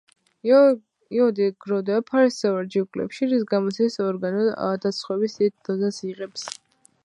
იოდი გროვდება ფარისებრ ჯირკვალში, რის გამოც ეს ორგანო დასხივების დიდ დოზას იღებს.